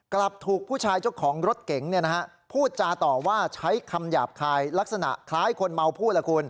กลับถูกผู้ชายเจ้าของรถเก๋งพูดจาต่อว่าใช้คำหยาบคายลักษณะคล้ายคนเมาพูดล่ะคุณ